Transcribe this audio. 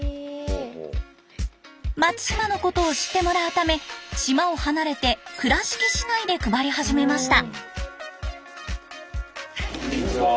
松島のことを知ってもらうため島を離れて倉敷市内で配り始めました。